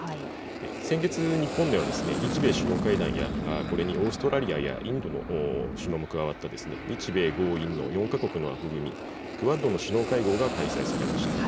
先月、日本では日米首脳会談やこれにオーストラリアやインドの首脳も加わった日米豪印の４か国の枠組み、クアッドの首脳会合が開催されました。